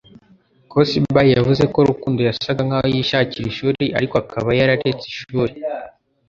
Cosby yavuze ko Rukundo yasaga nkaho yishakira ishuri ariko akaba yararetse ishuri